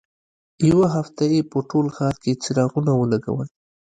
یوه هفته یې په ټول ښار کې څراغونه ولګول.